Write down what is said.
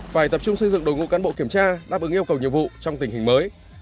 phải tập trung xây dựng đội ngũ cán bộ kiểm tra đáp ứng yêu cầu nhiệm vụ trong tình hình mới